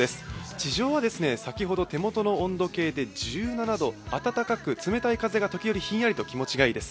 地上は先ほど手元の温度計で１７度暖かく、冷たい風が時折ひんやりと気持ちいいです。